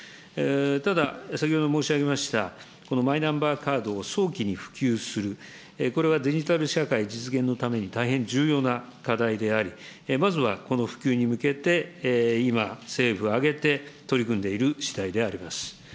ただ、先ほど申し上げました、このマイナンバーカードを早期に普及する、これはデジタル社会実現のために大変重要な課題であり、まずはこの普及に向けて、今、政府を挙げて取り組んでいるしだいであります。